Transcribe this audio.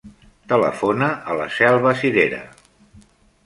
Telefona a la Selva Sirera.